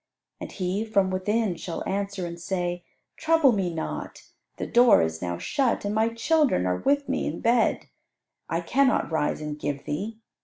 And he from within shall answer and say, Trouble me not, the door is now shut, and my children are with me in bed; I cannot rise and give thee.